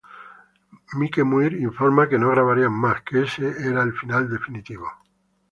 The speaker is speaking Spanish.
Mike Muir informa que no grabarían más, que ese era el final definitivo.